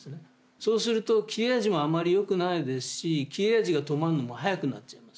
そうすると切れ味もあんまりよくないですし切れ味が止まんのも早くなっちゃいます。